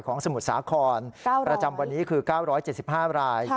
สมุทรสาครประจำวันนี้คือ๙๗๕ราย